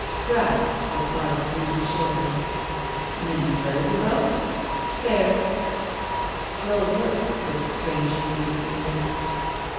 "Trap," replied the Breed shortly. "Many furs about?" "Fair." "Slow work," said the stranger, indifferently.